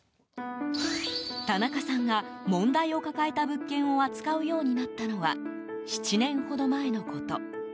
田中さんが問題を抱えた物件を扱うようになったのは７年ほど前のこと。